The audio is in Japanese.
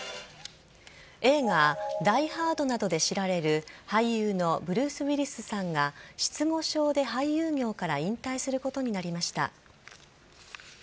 映画「ダイ・ハード」などで知られる、俳優のブルース・ウィリスさんが失語症で俳優業から引退することになりました。